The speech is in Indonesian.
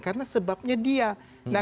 karena sebabnya dia